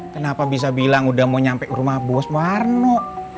kenapa bisa bilang udah mau nyampe rumah bos warno